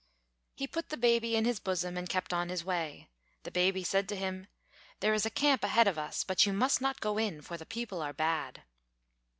He put the baby in his bosom, and kept on his way. The baby said to him: "There is a camp ahead of us, but you must not go in, for the people are bad."